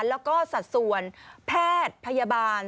แล้วก็สัดส่วนแพทย์พยาบาล